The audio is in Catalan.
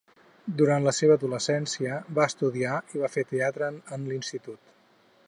Durant la seva adolescència, va estudiar i va fer teatre en l'institut.